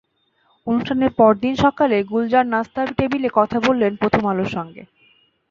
অনুষ্ঠানের পরদিন সকালে গুলজার নাশতার টেবিলে কথা বললেন প্রথম আলোর সঙ্গে।